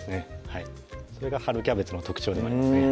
はいそれが春キャベツの特徴でもありますね